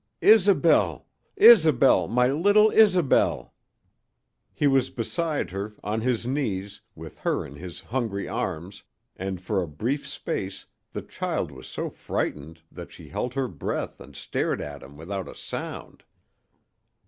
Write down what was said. "Isobel Isobel my little Isobel!" He was beside her, on his knees, with her in his hungry arms, and for a brief space the child was so frightened that she held her breath and stared at him without a sound.